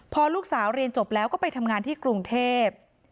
พอลูกสาวเรียนจบแล้วก็ไปทำงานที่กรุงเทพ